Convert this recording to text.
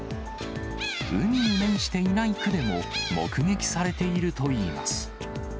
海に面していない区でも目撃されているといいます。